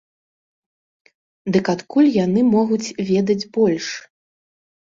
Дык адкуль яны могуць ведаць больш?